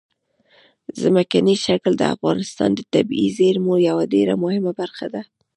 ځمکنی شکل د افغانستان د طبیعي زیرمو یوه ډېره مهمه برخه ده.